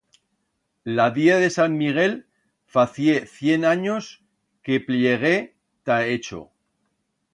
La día de Sant Miguel facié cient anyos que plegué ta Echo.